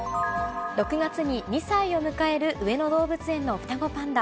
６月に２歳を迎える上野動物園の双子パンダ。